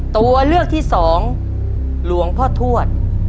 ตัวเลือกที่สองหลวงพ่อทวด